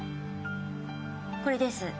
これです。